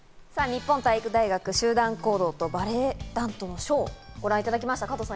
日本体育大学集団行動とバレエ団とのショーをご覧いただきました。